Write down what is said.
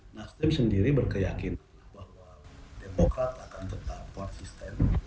nasdem sendiri berkeyakinan bahwa demokrat akan tetap konsisten